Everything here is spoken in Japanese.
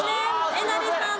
えなりさん